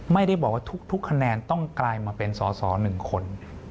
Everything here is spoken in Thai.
ไม่ได้บอกว่าทุกคะแนนต้องกลายมาเป็นสอสอ๑คน